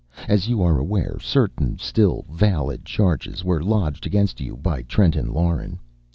As you are aware, certain still valid charges were lodged against you by Trenton Lauren.